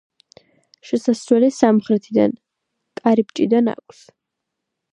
შესასვლელი სამხრეთიდან, კარიბჭიდან აქვს.